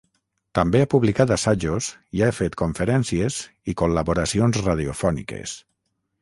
També ha publicat assajos i ha fet conferències i col·laboracions radiofòniques.